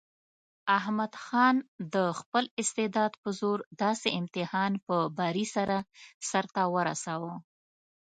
احمد خان د خپل استعداد په زور داسې امتحان په بري سره سرته ورساوه.